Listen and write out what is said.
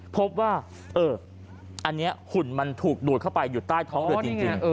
พบว่าอันนี้หุ่นมันถูกดูดเข้าไปอยู่ใต้ท้องเรือจริง